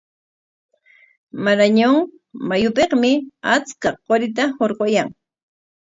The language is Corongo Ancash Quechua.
Marañon mayupikmi achka qurita hurquyan.